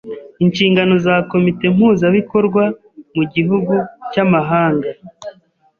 Inshingano za komite mpuzabikorwa mu gihugu cy’amahanga